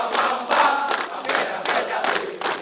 kemampuan pembeda sejati